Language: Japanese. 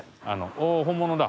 おお本物だ。